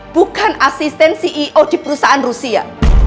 bukan asisten ceo di perusahaan rusia